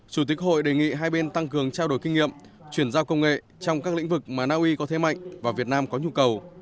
chủ tịch hội đề nghị hai bên tăng cường trao đổi kinh nghiệm chuyển giao công nghệ trong các lĩnh vực mà naui có thế mạnh và việt nam có nhu cầu